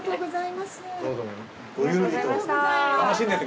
はい。